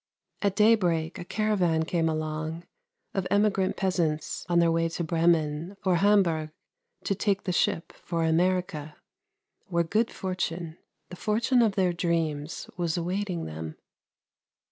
At daybreak a caravan came along, of emigrant peasants, on their way to Bremen or Hamburg to take ship for America, where good fortune, the fortune of their dreams, was awaiting them.